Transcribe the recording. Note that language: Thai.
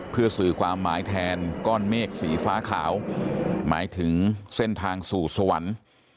เพื่อสื่อความหมายแทนก้อนเมฆสีฟ้าขาวหมายถึงเส้นทางสู่สวรรค์